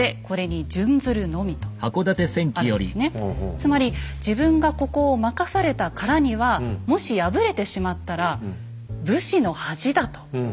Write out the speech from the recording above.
つまり自分がここを任されたからにはもし敗れてしまったら武士の恥だと。